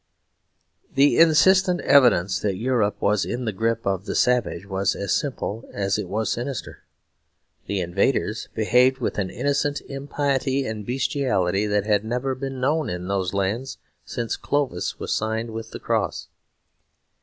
The instant evidence that Europe was in the grip of the savage was as simple as it was sinister. The invaders behaved with an innocent impiety and bestiality that had never been known in those lands since Clovis was signed with the cross.